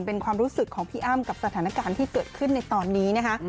เป็นความรู้สึกของพี่อ้ำกับสถานการณ์ที่เกิดขึ้นในตอนนี้นะคะ